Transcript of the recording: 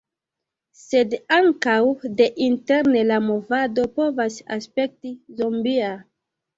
Sed ankaŭ deinterne la movado povas aspekti zombia.